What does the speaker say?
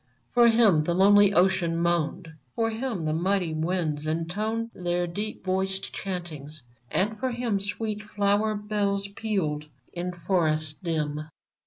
For him the lonely ocean moaned ; P'or him the mighty winds intoned Their deep voiced chantings, and for him Sweet flower bells pealed in forests dim.